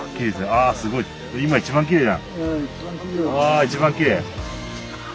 ああ一番きれい。